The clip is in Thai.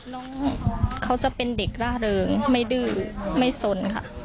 น้องเขาจะเป็นเด็กร่าเริงไม่ดื้อไม่สนค่ะ